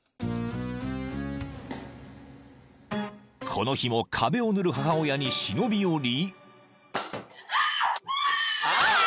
［この日も壁を塗る母親に忍び寄り］